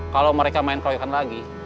kalau mereka main proyekan lagi